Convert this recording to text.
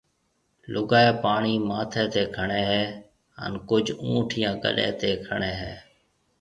لوگائيَ پاڻِي ماٿيَ تيَ کڻيَ ھيَََ ھان ڪجھ اُونٺ يا گڏَي تيَ کڻيَ ھيََََ